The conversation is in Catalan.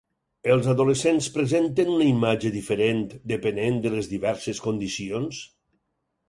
Els adolescents presenten una imatge diferent depenent de les diverses condicions?